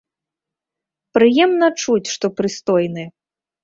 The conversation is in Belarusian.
Прыемна чуць, што прыстойны.